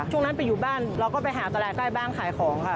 ช่วงนั้นไปอยู่บ้านเราก็ไปหาตลาดใกล้บ้านขายของค่ะ